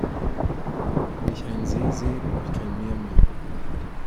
Wenn ich einen See seh brauch ich kein Meer mehr.